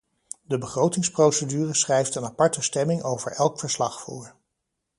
De begrotingsprocedure schrijft een aparte stemming over elk verslag voor.